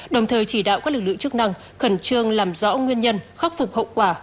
đồng thời chỉ đạo các lực lượng chức năng khẩn trương làm rõ nguyên nhân khắc phục hậu quả